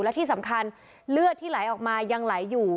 และที่สำคัญเลือดที่ไหลออกมายังไหลอยู่